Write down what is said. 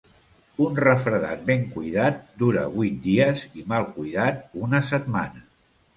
Un refredat ben cuidat dura vuit dies i mal cuidat una setmana.